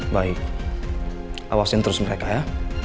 baik awasin terus mereka ya